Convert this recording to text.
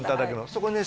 そこにね